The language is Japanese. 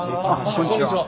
こんにちは。